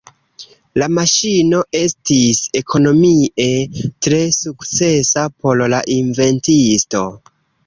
La maŝino estis ekonomie tre sukcesa por la inventisto.